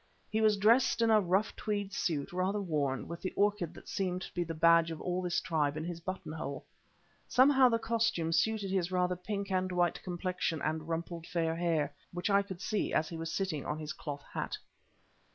He was dressed in a rough tweed suit rather worn, with the orchid that seemed to be the badge of all this tribe in his buttonhole. Somehow the costume suited his rather pink and white complexion and rumpled fair hair, which I could see as he was sitting on his cloth hat.